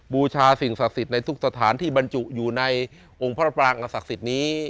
บูชาสิ่งศักดิ์สิทธิ์ในทุกสถานที่บรรจุอยู่ในองค์พระปรางอศักดิ์สิทธิ์นี้